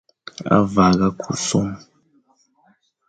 A vagha ku som,